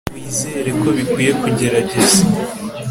wizere ko bikwiye kugerageza